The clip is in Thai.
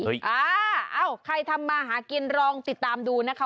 ห้ายยยเอ้าใครทำมหากินรองติดตามดูนะคะ